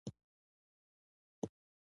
یوې ښایستې سترګې ته لیدل، د شعر الهام ورکوي.